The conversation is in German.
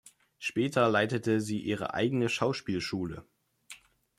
Später leitete sie ihre eigene Schauspielschule.